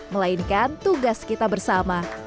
melainkan tugas kita bersama